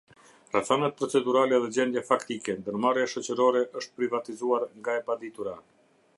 Rrethanat procedurale dhe gjendja faktike, Ndërmarrja Shoqërore, është privatizuar nga e paditura.